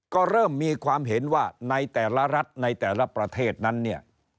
ก็เริ่มมีความเห็นว่าในแต่ละรัฐในแต่ละประเทศนั้นเนี่ย